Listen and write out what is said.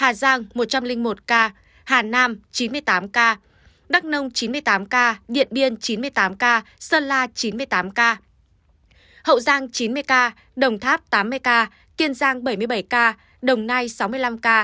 yên bái một trăm linh ba ca lào cai một trăm linh ba ca phú yên một trăm linh một ca hà giang một trăm linh một ca hà nam chín mươi tám ca đắk nông chín mươi tám ca điện biên chín mươi tám ca sơn la chín mươi tám ca hậu giang chín mươi ca đồng tháp tám mươi ca kiên giang bảy mươi bảy ca đồng nai sáu mươi năm ca